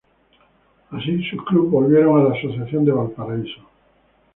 Así, sus clubes volvieron a la Asociación de Valparaíso.